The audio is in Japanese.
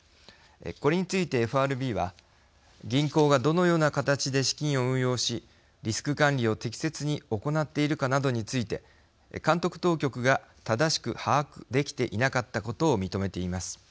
これについてＦＲＢは銀行がどのような形で資金を運用しリスク管理を適切に行っているかなどについて監督当局が正しく把握できていなかったことを認めています。